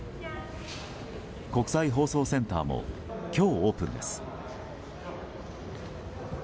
国際放送センターも今日オープンです。